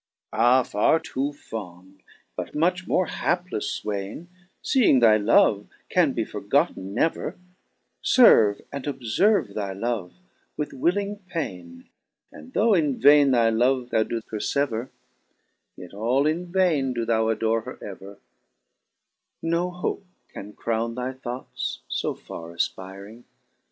3 '* Ah, farre too fond, but much more haplefle Swaine ! Seeing thy love can be forgotten never. Serve and obferve thy love with willing paine ; Digitized by Google BRITTAIN'S IDA. 287 And though in vaine thy love thou doe perfever, Yet all in vaine doe thou adore her ever. No hope can crowne thy thoughts fo farre afpiring.